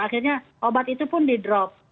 akhirnya obat itu pun di drop